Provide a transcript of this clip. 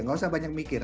tidak usah banyak mikir